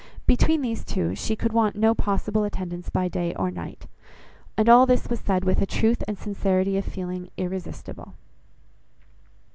Between these two, she could want no possible attendance by day or night. And all this was said with a truth and sincerity of feeling irresistible.